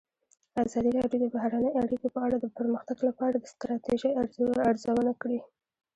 ازادي راډیو د بهرنۍ اړیکې په اړه د پرمختګ لپاره د ستراتیژۍ ارزونه کړې.